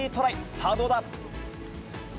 さあ、どうだ。